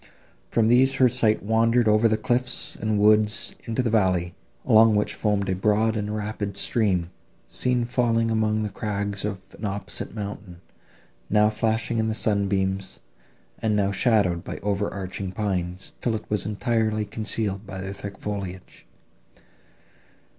From these her sight wandered over the cliffs and woods into the valley, along which foamed a broad and rapid stream, seen falling among the crags of an opposite mountain, now flashing in the sunbeams, and now shadowed by over arching pines, till it was entirely concealed by their thick foliage.